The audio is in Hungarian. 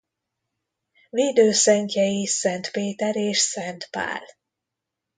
Védőszentjei Szent Péter és Szent Pál.